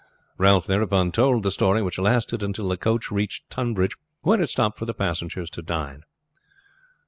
Ralph thereupon told the story, which lasted until the coach reached Tunbridge, where it stopped for the passengers to dine.